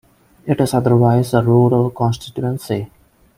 It is otherwise a rural constituency.